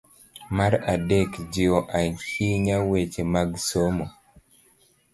Mar adek, jiwo ahinya weche mag somo